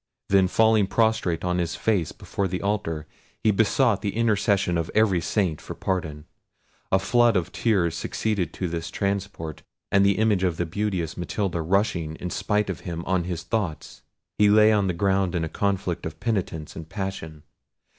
Then falling prostrate on his face before the altar, he besought the intercession of every saint for pardon. A flood of tears succeeded to this transport; and the image of the beauteous Matilda rushing in spite of him on his thoughts, he lay on the ground in a conflict of penitence and passion.